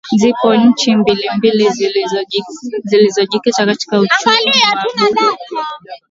Zipo nchi mbalimbali zilizojikita katika uchumi wa buluu